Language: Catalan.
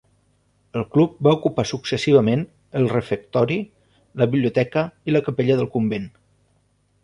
El club va ocupar successivament el refectori, la biblioteca i la capella del convent.